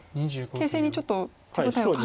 形勢にちょっと手応えを。